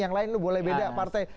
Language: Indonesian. yang lain loh boleh beda partai